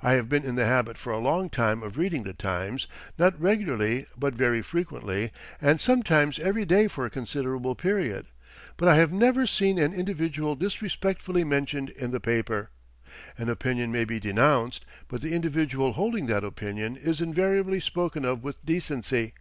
I have been in the habit for a long time of reading "The Times" not regularly but very frequently, and sometimes every day for a considerable period; but I have never seen an individual disrespectfully mentioned in the paper. An opinion may be denounced; but the individual holding that opinion is invariably spoken of with decency.